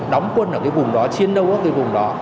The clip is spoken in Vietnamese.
đóng quân ở cái vùng đó chiến đấu ở cái vùng đó